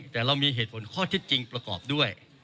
แต่เรามีเหตุผลข้อเท็จจริงประกอบด้วย